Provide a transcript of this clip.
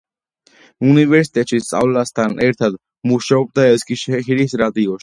უნივერსიტეტში სწავლასთან ერთად, მუშაობდა ესქიშეჰირის რადიოში.